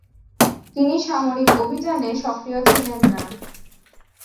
তিনি সামরিক অভিযানে সক্রিয় ছিলেন না।